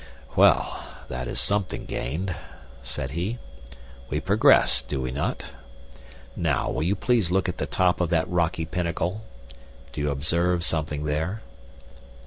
"Well, that is something gained," said he. "We progress, do we not? Now, will you please look at the top of that rocky pinnacle? Do you observe something there?"